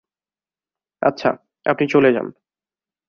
আচ্ছা, আপনি চলে যান।